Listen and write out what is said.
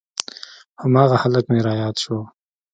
هماغه هلک مې راياد سو.